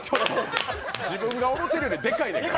自分が思ってるよるデカいんやから。